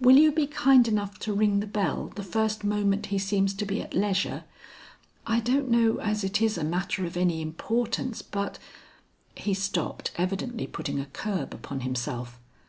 "Will you be kind enough to ring the bell the first moment he seems to be at leisure? I don't know as it is a matter of any importance but " He stopped, evidently putting a curb upon himself.